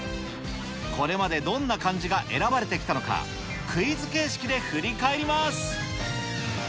これまでどんな漢字が選ばれてきたのか、クイズ形式で振り返ります。